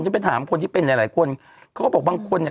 ไปถามคนที่เป็นหลายหลายคนเขาก็บอกบางคนเนี่ย